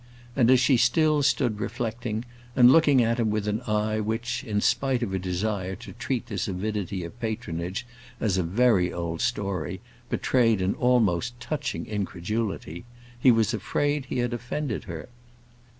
And as she still stood reflecting, and looking at him with an eye which, in spite of her desire to treat this avidity of patronage as a very old story, betrayed an almost touching incredulity, he was afraid he had offended her.